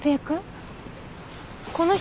この人